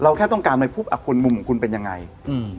เราแค่ต้องการในภูมิอคุณมุมของคุณเป็นยังไงอืม